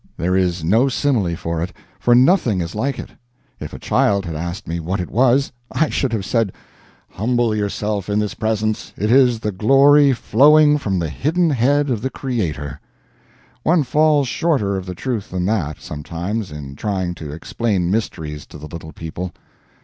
There is no simile for it, for nothing is like it. If a child had asked me what it was, I should have said, "Humble yourself, in this presence, it is the glory flowing from the hidden head of the Creator." One falls shorter of the truth than that, sometimes, in trying to explain mysteries to the little people.